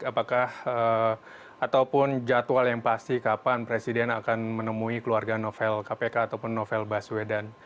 apakah ataupun jadwal yang pasti kapan presiden akan menemui keluarga novel kpk ataupun novel baswedan